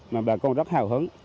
mà bà con rất hào hứng